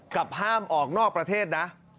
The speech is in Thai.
ห้ามออกนอกประเทศนะ